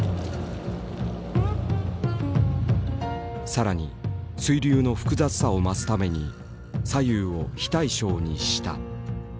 更に水流の複雑さを増すために左右を非対称にした。